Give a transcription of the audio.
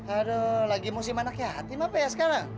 aduh lagi musim anak yatim apa ya sekarang